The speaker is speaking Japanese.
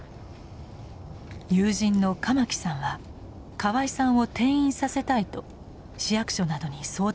友人の鎌木さんは河合さんを転院させたいと市役所などに相談を重ねてきました。